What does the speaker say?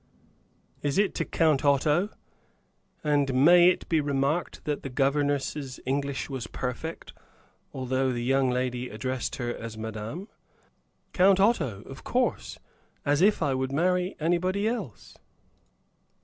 "It is to Count Otto?" And it may be remarked that the governess's English was perfect, although the young lady addressed her as "Madam." "Count Otto, of course. As if I would marry anybody else!"